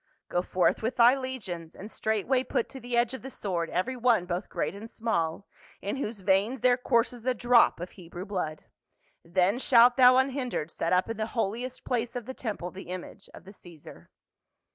" Go forth with thy legions, and straightway put to the edge of the sword every one both great and small, in whose veins there courses a drop of Hebrew blood, then shalt thou unhindered set up in the Holiest Place of the temple the image of the Caesar."